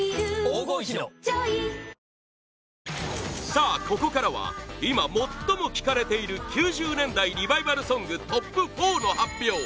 さあ、ここからは今、最も聴かれている９０年代リバイバルソングＴＯＰ４の発表